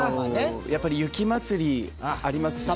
やっぱり雪まつりありますし。